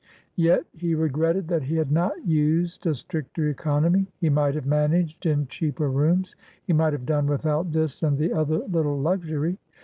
Yet he regretted that he had not used a stricter economy. He might have managed in cheaper rooms; he might have done without this and the other little luxury.